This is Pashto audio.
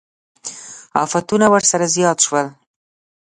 افتونه ورسره زیات شول.